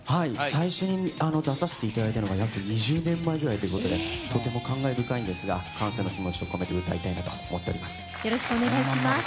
最初に出させていただいたのが約２０年前ぐらいということでとても感慨深いんですが感謝の気持ちを込めてよろしくお願いします。